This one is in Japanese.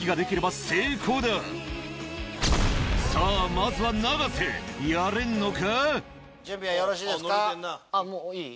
まずはやれんのか？